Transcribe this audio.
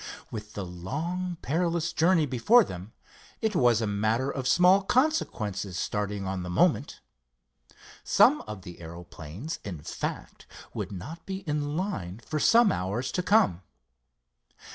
With the long perilous journey before them, it was a matter of small consequence starting on the moment. Some of the aeroplanes, in fact, would not be in line for some hours to come.